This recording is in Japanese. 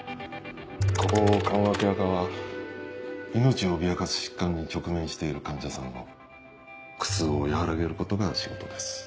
ここ緩和ケア科は命を脅かす疾患に直面している患者さんの苦痛を和らげることが仕事です。